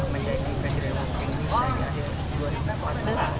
menjadi pendirian indonesia di akhir dua ribu empat belas